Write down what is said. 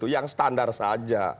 yang standar saja